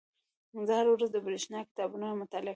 زه هره ورځ د بریښنایي کتابونو مطالعه کوم.